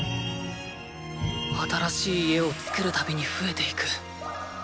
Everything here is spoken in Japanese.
新しい家を作る度に増えていく。